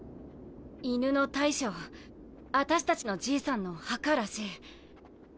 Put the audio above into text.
犬の大将アタシ達のじいさんの墓らしい。